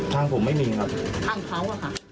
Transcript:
ตามผมไม่มีครับอ่างเค้าอ่ะคะ